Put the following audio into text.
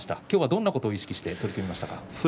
きょうはどんなことを意識して取り組みましたか？